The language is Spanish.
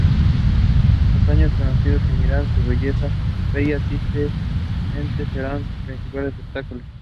Los años transcurridos y Miriam, su bella asistente, serán sus principales obstáculos.